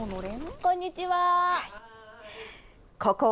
こんにちは。